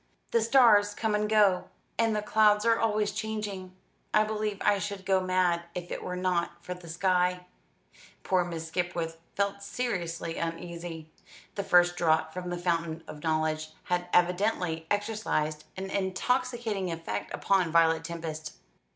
The stars come and go, and the clouds are always changing. I believe I should go mad if it were not for the sky." Poor Miss Skipwith felt seriously uneasy. The first draught from the fountain of knowledge had evidently exercised an intoxicating effect upon Violet Tempest.